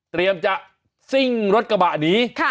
เตรียมจะซิ่งรถกระบะหนี